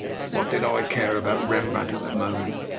What did I care about Rembrandt at that moment?